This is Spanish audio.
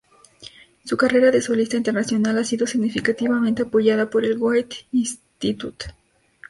Su carrera de solista internacional ha sido significativamente apoyada por el Goethe-Institut.